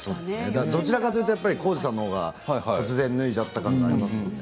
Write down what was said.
どちらかというと耕史さんの方が突然脱いじゃった感じがあります。